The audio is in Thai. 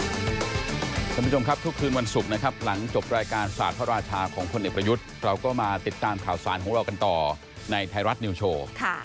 คุณผู้ชมครับทุกคืนวันศุกร์นะครับหลังจบรายการศาสตร์พระราชาของพลเอกประยุทธ์เราก็มาติดตามข่าวสารของเรากันต่อในไทยรัฐนิวโชว์